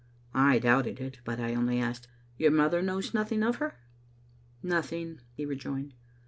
I doubted it, but I only asked, " Your mother knows nothing of her?" " Nothing," he rejoined.